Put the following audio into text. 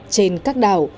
trên các đảo